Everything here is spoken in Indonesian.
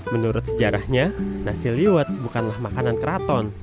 menurut sejarahnya nasi liwet bukanlah makanan keraton